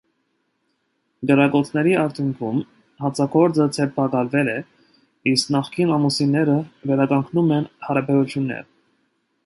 Կրակոցների արդյունքում հանցագործը ձերբակալվել է, իսկ նախկին ամուսինները վերականգնում են հարաբերությունները։